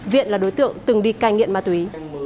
viện là đối tượng từng đi cai nghiện ma túy